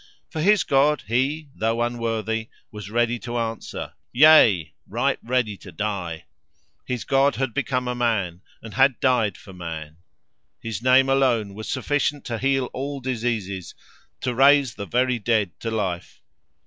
For his God, he, though unworthy, was ready to answer, yea, right ready to die. His God had become man, and had died for man. His name alone was sufficient to heal all diseases; to raise the very dead to life.